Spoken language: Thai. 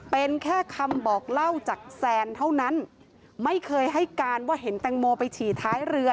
เป็นแค่คำบอกเล่าจากแซนเท่านั้นไม่เคยให้การว่าเห็นแตงโมไปฉี่ท้ายเรือ